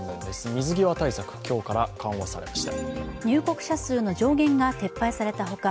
水際対策、今日から緩和されました入国者数の上限が撤廃されたほか